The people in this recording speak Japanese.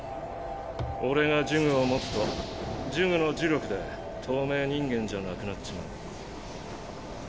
俺が呪具を持つと呪具の呪力で透明人間じゃなくなっちまう。